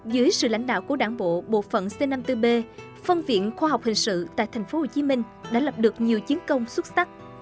dưới sự lãnh đạo của đảng bộ bộ phận c năm mươi bốn b phân viện khoa học hình sự tại thành phố hồ chí minh đã lập được nhiều chiến công xuất sắc